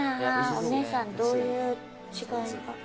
お姉さんどういう違いが？